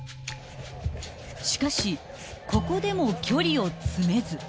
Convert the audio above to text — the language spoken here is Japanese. ［しかしここでも距離を詰めず］